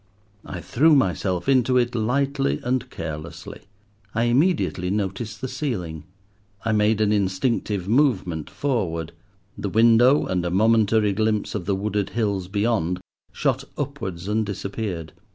I threw myself into it lightly and carelessly. I immediately noticed the ceiling. I made an instinctive movement forward. The window and a momentary glimpse of the wooded hills beyond shot upwards and disappeared.